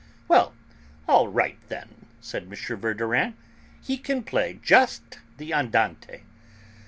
"Well, all right, then," said M. Verdurin, "he can play just the andante."